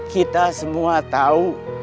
kita semua tahu